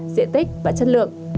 diện tích và chất lượng